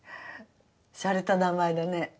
しゃれた名前だね。